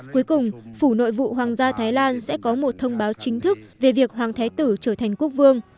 cuối cùng phủ nội vụ hoàng gia thái lan sẽ có một thông báo chính thức về việc hoàng thái tử trở thành quốc vương